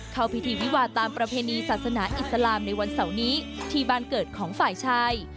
เข้าพิธีวิวาตามประเพณีศาสนาอิสลามในวันเสาร์นี้ที่บ้านเกิดของฝ่ายชาย